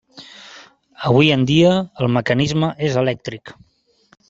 Avui en dia el mecanisme és elèctric.